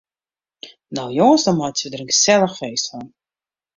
No jonges, no meitsje we der in gesellich feest fan.